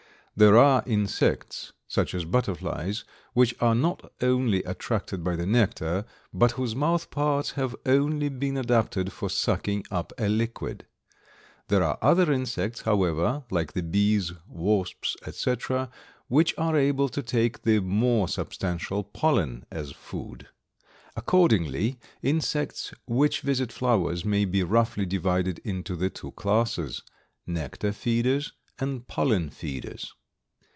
There are insects, such as butterflies, which are not only attracted by the nectar, but whose mouth parts have only been adapted for sucking up a liquid. There are other insects, however, like the bees, wasps, etc., which are able to take the more substantial pollen as food. Accordingly insects which visit flowers may be roughly divided into the two classes, nectar feeders and pollen feeders.